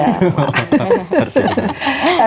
harus bikin baru